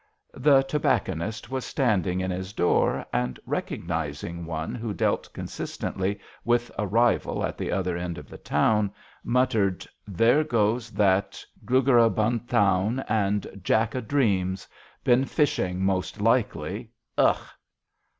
The tobacconist was standing in his door, and, recognizing one who dealt consistently with a rival at the other end of the town, muttered :" There goes that gluggerabtmthaun and Jack o* JOHN SHERMAN. Dreams ; been fishing most likely. Ugh